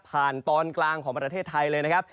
ตอนกลางของประเทศไทยเลยนะครับ